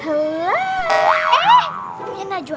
eh punya najwa